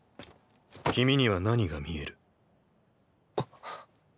君には何が見える？あっ。